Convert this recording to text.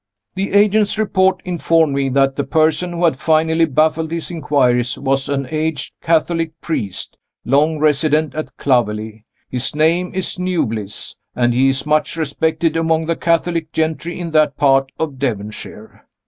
The agent's report informed me that the person who had finally baffled his inquiries was an aged Catholic priest, long resident at Clovelly. His name is Newbliss, and he is much respected among the Catholic gentry in that part of Devonshire.